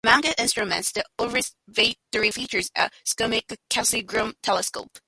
Among its instruments, the observatory features a Schmidt-Cassegrain telescope.